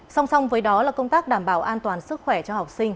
song song với đó là công tác đảm bảo an toàn sức khỏe cho học sinh